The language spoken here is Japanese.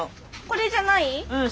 これじゃない？